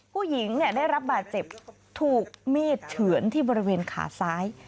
ผู้หญิงได้รับบาดเจ็บถูกมีดเฉือนที่บริเวณขาซ้าย